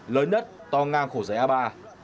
lớn nhất to ngang khổ rẽ ba